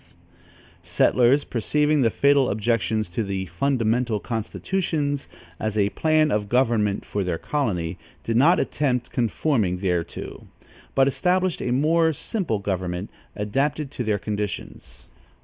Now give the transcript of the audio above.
The settlers, perceiving the fatal objections to the "Fundamental Constitutions" as a plan of government for their colony, did not attempt conforming thereto, but established a more simple government adapted to their conditions.